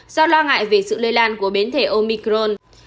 do lo ngại về sự lây lan của biến thể omicron